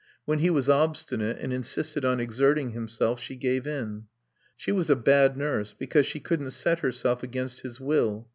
When he was obstinate, and insisted on exerting himself, she gave in. She was a bad nurse, because she couldn't set herself against his will.